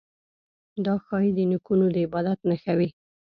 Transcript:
دا ښايي د نیکونو د عبادت نښه وي.